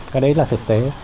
cái đấy là thực tế